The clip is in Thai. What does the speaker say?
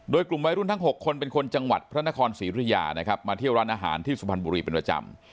โดยกลุ่มวัยรุ่นทั้ง๖คนเป็นคนจังหวัดพระนครศรีรุยานะครับมาเที่ยวร้านอาหารที่สุพรรณบุรีเป็นประจำ